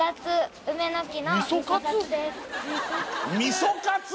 みそかつ？